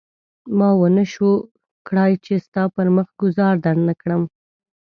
ما ونه شول کړای چې ستا پر مخ ګوزار درنه کړم.